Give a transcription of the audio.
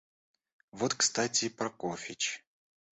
Вот кстати и Прокофьич.